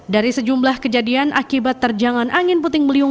dari sejumlah kejadian akibat terjangan angin puting beliung